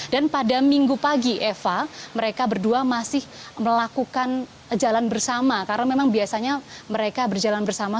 dan pada minggu pagi eva mereka berdua masih melakukan jalan bersama karena memang biasanya mereka berjalan bersama